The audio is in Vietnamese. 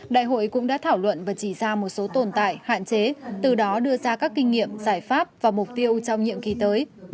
đại hội cũng đã thảo luận và chỉ ra một số tồn tại hạn chế từ đó đưa ra các kinh nghiệm giải pháp và mục tiêu trong nhiệm kỳ tới